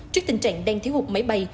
trước tình trạng đang thiếu hụt máy bay